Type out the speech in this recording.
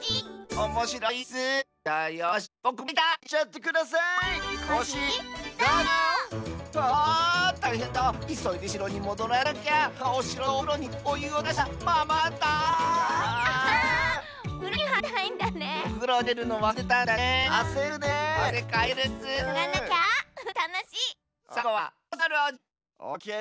おもしろい！